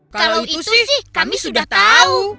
kalau itu sih kami sudah tahu